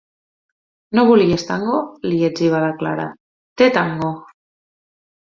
No volies tango? —li etziba la Clara— Té tango!